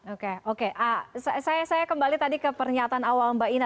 oke oke saya kembali tadi ke pernyataan awal mbak ina